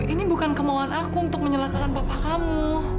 ini bukan kemauan aku untuk mencelakakan papa kamu